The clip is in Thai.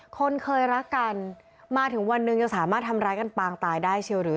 คนเคยรักกันมาถึงวันหนึ่งยังสามารถทำร้ายกันปางตายได้เชียวหรือ